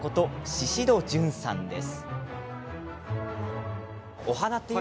宍戸純さんです。